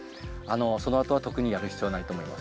そのあとは特にやる必要はないと思います。